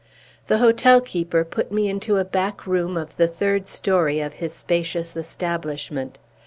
The hotel keeper put me into a back room of the third story of his spacious establishment.